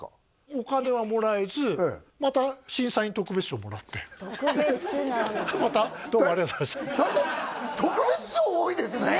お金はもらえずまた審査員特別賞もらってでまたどうもありがとうございました特別賞多いですね